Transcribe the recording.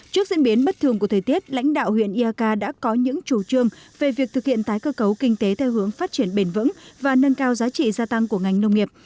trước diễn biến bất thường của thời tiết lãnh đạo huyện iak đã có những chủ trương về việc thực hiện tái cơ cấu kinh tế theo hướng phát triển bền vững và nâng cao giá trị gia tăng của ngành nông nghiệp